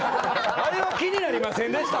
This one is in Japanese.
あれは気になりませんでした？